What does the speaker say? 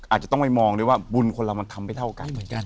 อาจจะต้องไปมองเลยบุญคนเราทำไม่เท่ากัน